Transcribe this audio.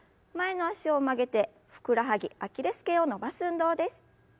前の脚を曲げてふくらはぎアキレス腱を伸ばす運動です。